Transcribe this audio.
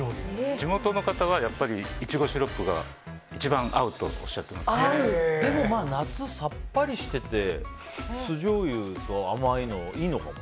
地元の方はイチゴシロップが一番合うとでも、夏にさっぱりしてて酢じょうゆと甘いのいいのかも。